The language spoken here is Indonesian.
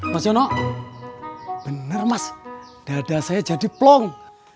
mas yono benar mas dada saya jadi plong